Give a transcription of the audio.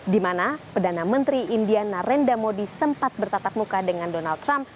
dimana perdana menteri india narendra modi sempat bertatap muka dengan donald trump